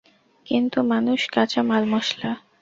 কিন্তু মানুষ কাঁচা মালমসলা।